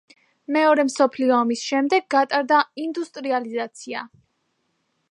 მეორე მსოფლიო ომის შემდეგ გატარდა ინდუსტრიალიზაცია.